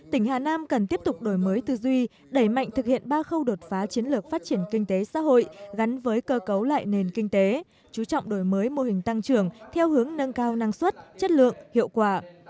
tỉnh hà nam cần tiếp tục đổi mới tư duy đẩy mạnh thực hiện ba khâu đột phá chiến lược phát triển kinh tế xã hội gắn với cơ cấu lại nền kinh tế chú trọng đổi mới mô hình tăng trưởng theo hướng nâng cao năng suất chất lượng hiệu quả